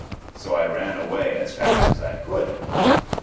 so I ran away as fast as I could."